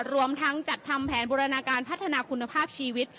รวมทั้งจัดทำแผนบูรณาการพัฒนาคุณภาพชีวิต